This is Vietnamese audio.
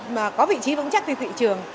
mà có vị trí vững chắc trên thị trường